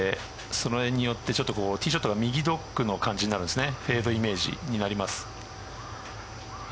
ティーが少し前に出てそのへんによってティーショットが右ドッグの感じになるんですね。